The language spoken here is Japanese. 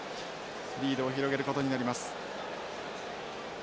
リードを広げることになります。